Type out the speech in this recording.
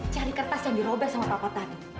cari kertas yang dirobek sama papa tadi